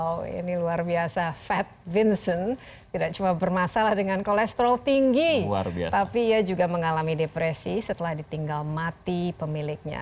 wow ini luar biasa fat vincent tidak cuma bermasalah dengan kolesterol tinggi tapi ia juga mengalami depresi setelah ditinggal mati pemiliknya